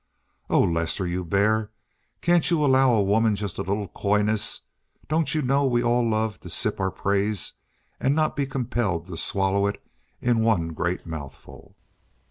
"Oh, Lester, you bear, can't you allow a woman just a little coyness? Don't you know we all love to sip our praise, and not be compelled to swallow it in one great mouthful?"